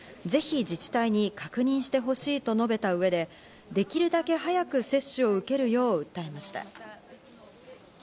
ぜひ自治体に確認してほしいと述べた上で、できるだけ早く接種を受けるよう訴えました。